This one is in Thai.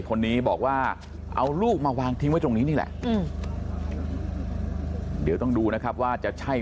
คนนี้บอกว่าเอาลูกมาวางทิ้งไว้ตรงนี้นี่แหละเดี๋ยวต้องดูนะครับว่าจะใช่